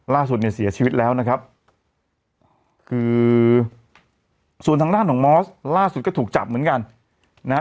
ล่าสุดเนี่ยเสียชีวิตแล้วนะครับคือส่วนทางด้านของมอสล่าสุดก็ถูกจับเหมือนกันนะฮะ